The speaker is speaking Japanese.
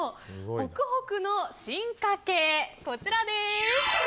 ホクホクの進化系、こちらです。